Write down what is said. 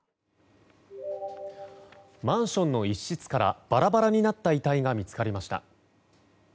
マンションの一室からバラバラになった遺体が見つかりました。